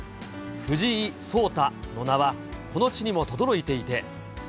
フジイソウタの名は、この地にもとどろいていて。